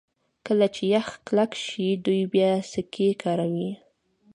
کله چې یخ کلک شي دوی بیا سکي کاروي